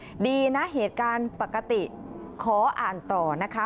ก็ดีนะเหตุการณ์ปกติขออ่านต่อนะคะ